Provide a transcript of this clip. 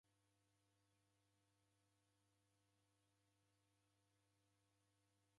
Mburi reka na vifu viw'i angu vidadu?